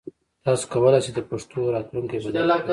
تاسو کولای شئ د پښتو راتلونکی بدل کړئ.